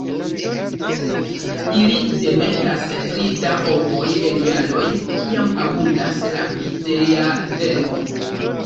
Ili demetas pli da ovoj en jaroj kiam abundas la Picea vermo.